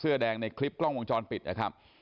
แดงในคลิปกล้องวงจรปิดนะครับ